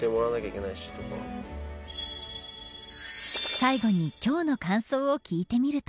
最後に今日の感想を聞いてみると。